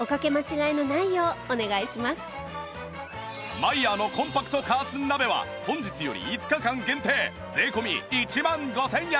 マイヤーのコンパクト加圧鍋は本日より５日間限定税込１万５０００円